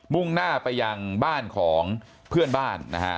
่งหน้าไปยังบ้านของเพื่อนบ้านนะฮะ